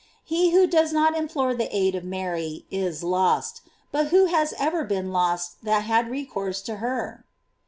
He who does not implore the aid of Mary is lost: but who km erer been lost that had recourse to her?